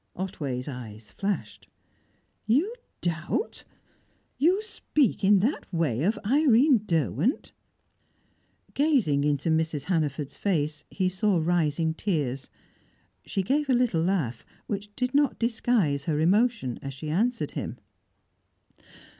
Otway's eyes flashed. "You doubt? You speak in that way of Irene Derwent?" Gazing into Mrs. Hannaford's face, he saw rising tears. She gave a little laugh, which did not disguise her emotion as she answered him.